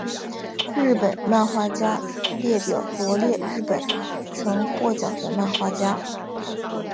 日本漫画家列表罗列日本曾获奖的漫画家。